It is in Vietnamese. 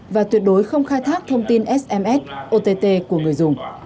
và tuyệt đối không khai thác thông tin sms ott của người dùng